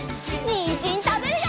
にんじんたべるよ！